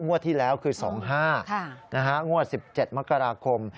ที่แล้วคือ๒๕งวด๑๗มกราคม